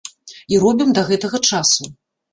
І робім да гэтага часу.